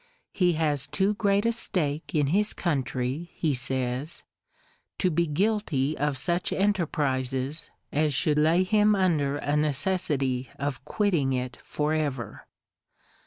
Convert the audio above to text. He has too great a stake in his country, he says, to be guilty of such enterprises as should lay him under a necessity of quitting it for ever.